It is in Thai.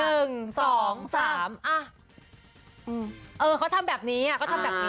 เออเขาทำแบบนี้เขาทำแบบนี้